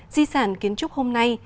di sản kiến trúc hôm nay